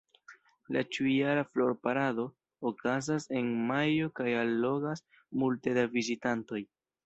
La ĉiujara Flor-parado okazas en majo kaj allogas multe da vizitantoj.